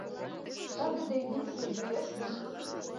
Тыгыде йӱржӧ йӱреш гын